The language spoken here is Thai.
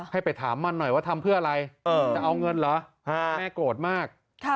ให้ไปถามมันหน่อยว่าทำเพื่ออะไรจะเอาเงินเหรอแม่โกรธมาก